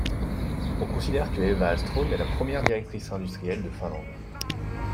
On considère que Eva Ahlström est la première directrice industrielle de Finlande.